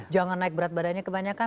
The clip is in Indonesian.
jangan naik berat badannya kebanyakan